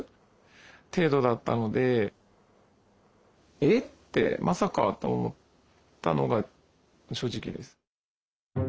「えっ？まさか」と思ったのが正直です。